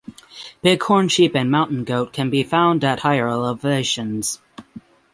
Bighorn sheep and mountain goat can be found at higher elevations.